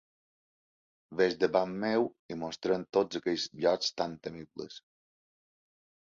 Ves davant meu i mostra'm tots aquells llocs tan temibles.